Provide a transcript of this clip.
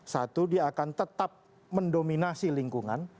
satu dia akan tetap mendominasi lingkungan